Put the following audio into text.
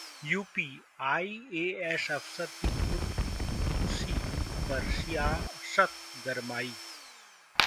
UP: IAS अफसर की खुदकुशी पर सियासत गरमाई